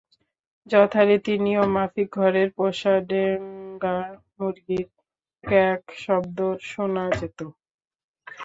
যথারীতি নিয়ম মাফিক ঘরের পোষা ডেংগা মুরগির ক্যাঁক শব্দ শুধু শোনা যেত।